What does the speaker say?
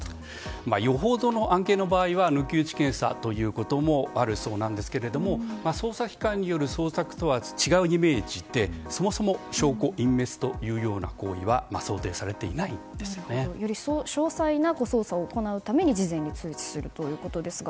よほどの案件の場合は抜き打ち検査ということもあるそうなんですけれども捜査機関による捜索とは違うイメージでそもそも証拠隠滅というような行為はより詳細な捜査を行うために事前に通知するということですが。